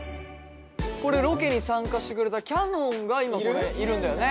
ロケに参加してくれたきゃのんが今ここにいるんだよね？